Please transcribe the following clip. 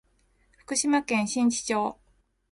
福島県新地町